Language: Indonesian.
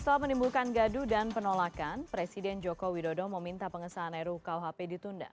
setelah menimbulkan gaduh dan penolakan presiden joko widodo meminta pengesahan rukuhp ditunda